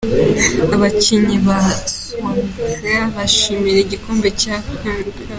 Abakinnyi ba Swansea bishimira igikombe cya "Carling Cup".